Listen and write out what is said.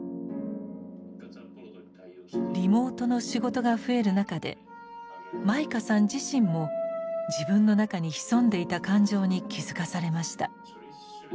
リモートの仕事が増える中で舞花さん自身も自分の中に潜んでいた感情に気付かされました。